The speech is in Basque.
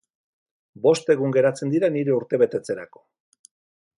Bost egun geratzen dira nire urtebetetzerako.